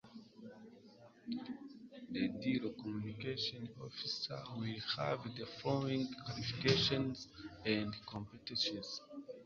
the ideal Communications Officer will have the following qualifications and competencies